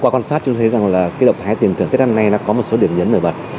qua quan sát chúng thấy rằng động thái tiền thưởng tết năm nay có một số điểm nhấn nổi bật